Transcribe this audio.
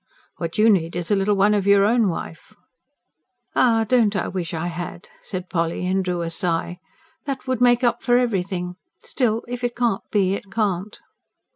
"What you need is a little one of your own, wife." "Ah, don't I wish I had!" said Polly, and drew a sigh. "That would make up for everything. Still if it can't be, it can't."